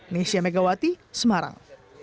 nesya megawati semarang